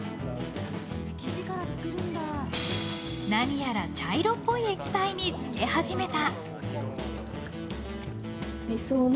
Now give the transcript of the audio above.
何やら茶色っぽい液体に浸け始めた。